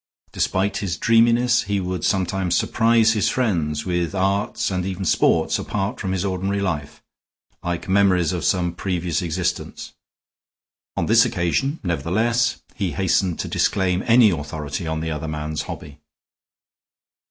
Despite his dreaminess, he would sometimes surprise his friends with arts and even sports apart from his ordinary life, like memories of some previous existence. On this occasion, nevertheless, he hastened to disclaim any authority on the other man's hobby.